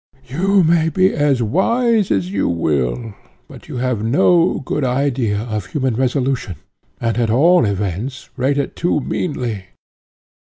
You may be as wise as you will, but you have no good idea of human resolution, and, at all events, rate it too meanly.